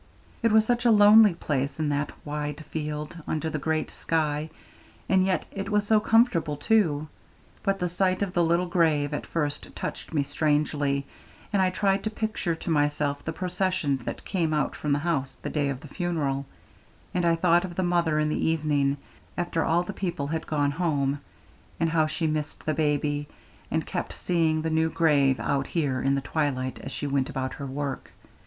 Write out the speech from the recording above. It was such a lonely place in that wide field under the great sky, and yet it was so comfortable too; but the sight of the little grave at first touched me strangely, and I tried to picture to myself the procession that came out from the house the day of the funeral, and I thought of the mother in the evening after all the people had gone home, and how she missed the baby, and kept seeing the new grave out here in the twilight as she went about her work.